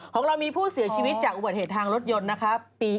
ของเรามีผู้เสียชีวิตจากอุบัติเหตุทางรถยนต์นะคะ